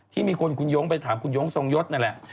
ที่มีคนคุณโย้งไปถามคุณย้งทรงยศนั่นแหละ